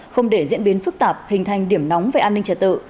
không để diễn biến phức tạp hình thành điểm nóng về an ninh trật tự